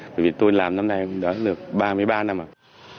bởi vì tôi làm năm nay cũng đã được ba mươi ba năm rồi